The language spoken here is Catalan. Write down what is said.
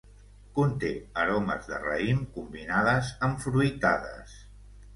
Conté aromes de raïm, combinades amb fruitades.